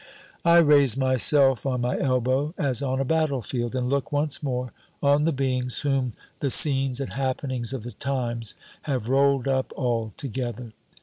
I raise myself on my elbow, as on a battlefield, and look once more on the beings whom the scenes and happenings of the times have rolled up all together.